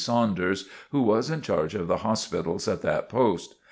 Saunders, who was in charge of the hospitals at that post.